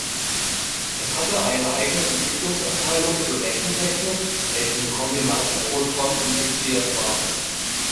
Es hatte eine eigene Entwicklungsabteilung für Rechentechnik, welche im Kombinat Robotron integriert war.